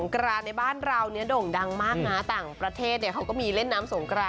คือค้ากันไปนะคะ